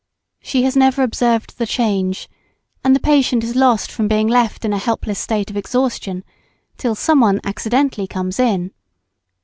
She has never observed the change; and the patient is lost from being left in a helpless state of exhaustion, till some one accidentally comes in.